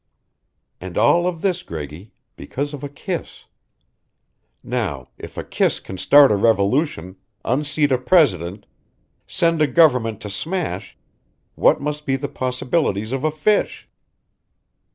And all of this, Greggy, because of a kiss. Now, if a kiss can start a revolution, unseat a President, send a government to smash, what must be the possibilities of a fish?"